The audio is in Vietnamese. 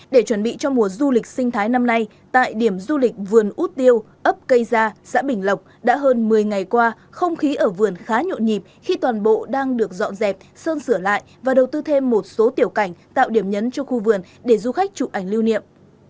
để chuẩn bị cho mùa du lịch sinh thái năm nay tại điểm du lịch vườn út tiêu ấp cây gia xã bình lộc đã hơn một mươi ngày qua không khí ở vườn khá nhộn nhịp khi toàn bộ đang được dọn dẹp sơn sửa lại và đầu tư thêm một số tiểu cảnh tạo điểm nhấn cho khu vườn để du khách chụp ảnh lưu niệm